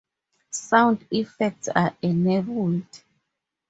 Sound effects are enabled.